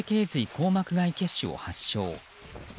硬膜外血腫を発症。